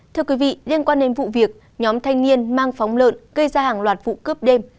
thưa quý vị liên quan đến vụ việc nhóm thanh niên mang phóng lợn gây ra hàng loạt vụ cướp đêm